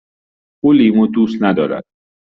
او لیمو دوست ندارد.